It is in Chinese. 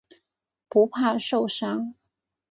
不怕受伤。